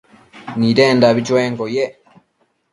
Nidendabi chuenquio yec